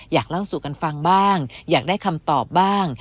อยากเล่าสู่กันฟังบ้างอยากได้คำตอบบ้าง